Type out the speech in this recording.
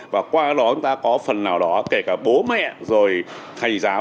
và qua đó chúng ta có phần nào đó kể cả bố mẹ rồi thầy giáo